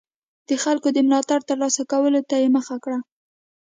د خلکو د ملاتړ ترلاسه کولو ته یې مخه کړه.